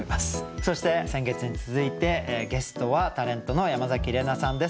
そして先月に続いてゲストはタレントの山崎怜奈さんです。